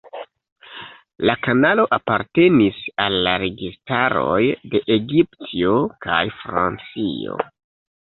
La kanalo apartenis al la registaroj de Egiptio kaj Francio.